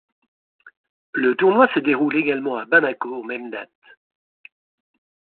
Le tournoi se déroule également à Bamako aux mêmes dates.